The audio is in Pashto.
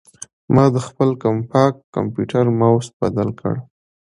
ما د خپل کمپاک کمپیوټر ماؤس بدل کړ.